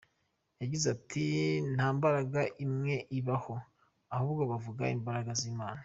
Yagize ati: “Nta mbaraga imwe ibaho’ ahubwo bavuga imbaraga z’Imana”.